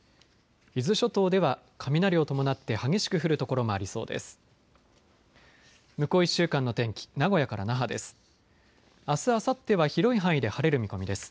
伊豆諸島では雷を伴って激しく降る所もありそうです。